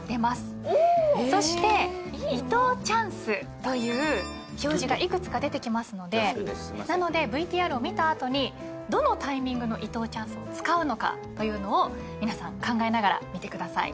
そして伊藤チャンスという表示が幾つか出てきますのでなのでＶＴＲを見た後にどのタイミングの伊藤チャンスを使うのかというのを皆さん考えながら見てください。